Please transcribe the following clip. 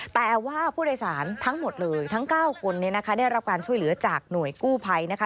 แต่ว่าผู้โดยสารทั้งหมดเลยทั้ง๙คนเนี่ยนะคะได้รับการช่วยเหลือจากหน่วยกู้ภัยนะคะ